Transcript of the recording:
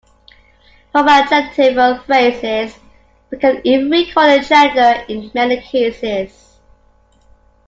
From adjectival phrases we can even recall the gender in many cases.